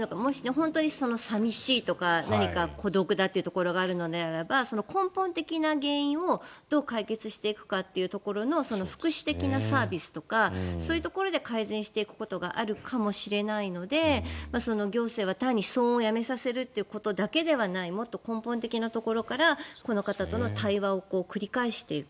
本当に寂しいとか孤独だというところがあるのであれば根本的な原因をどう解決していくかっていうところの福祉的なサービスとかそういうところで改善していくことがあるかもしれないので行政は単に騒音をやめさせるということだけではないもっと根本的なところからこの方との対話を繰り返していく。